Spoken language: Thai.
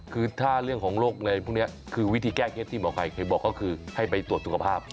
คือถ้าเรื่องของโรคอะไรพวกนี้คือวิธีแก้เคล็ดที่หมอไก่เคยบอกก็คือให้ไปตรวจสุขภาพ